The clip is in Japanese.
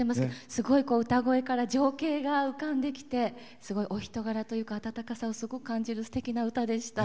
すごい歌声から情景が浮かんできてお人柄というか温かさをすごい感じる、すてきな歌でした。